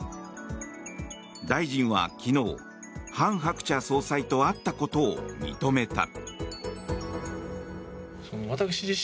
大臣は昨日ハン・ハクチャ総裁と会ったことを認めた。